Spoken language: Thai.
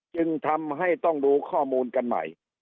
จึงทำให้ต้องดูข้อมูลกันใหม่